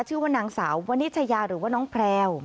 ชื่อว่านางสาววนิชยาหรือว่าน้องแพรว